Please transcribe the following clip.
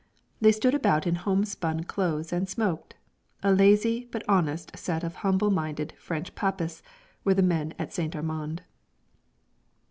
They stood about in homespun clothes and smoked. A lazy, but honest set of humble minded French papists were the men at St. Armand.